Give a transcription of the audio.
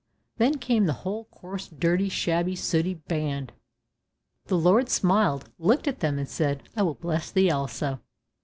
Then came the whole coarse, dirty, shabby, sooty band. The Lord smiled, looked at them all, and said, "I will bless these also."